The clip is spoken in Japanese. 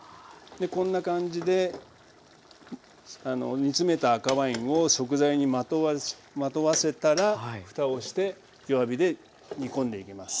こんな感じで煮詰めた赤ワインを食材にまとわせたらふたをして弱火で煮込んでいきます。